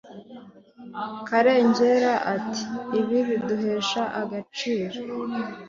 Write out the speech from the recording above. Karengera ati «Ibi biduhesha agaciro